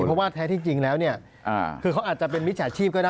เพราะว่าแท้ที่จริงแล้วเนี่ยคือเขาอาจจะเป็นมิจฉาชีพก็ได้